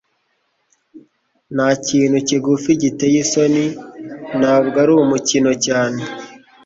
ntakintu kigufi giteye isoni ntabwo ari umukino cyane